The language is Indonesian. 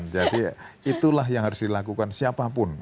jadi itulah yang harus dilakukan siapapun